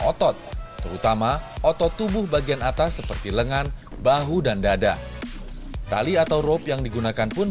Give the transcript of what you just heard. otot terutama otot tubuh bagian atas seperti lengan bahu dan dada tali atau rope yang digunakan pun